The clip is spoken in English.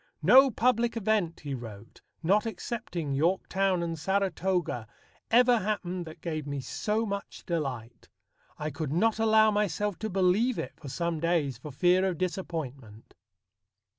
"No public event," he wrote, "not excepting Yorktown and Saratoga, ever happened that gave me so much delight. I could not allow myself to believe it for some days for fear of disappointment."